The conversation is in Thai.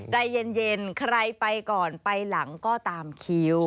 ใจเย็นใครไปก่อนไปหลังก็ตามคิ้ว